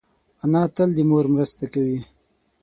انا تل د مور مرسته کوي